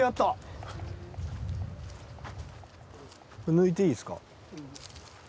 抜いていいですか？